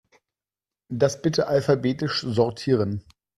Das bitte alphabetisch sortieren.